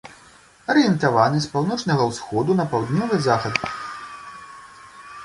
Арыентаваны з паўночнага ўсходу на паўднёвы захад.